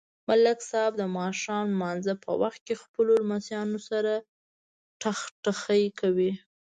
ملک صاحب د ماښام نمانځه په وخت له خپلو لمسیانو سره ټخټخی کوي.